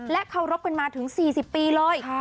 เคารพกันมาถึง๔๐ปีเลย